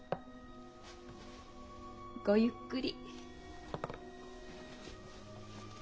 ごゆっくり。